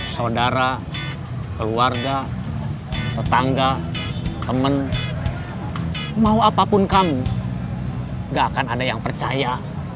saudara keluarga tetangga temen mau apapun kamu gak akan ada yang percaya